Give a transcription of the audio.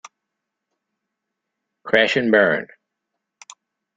Crash and burn.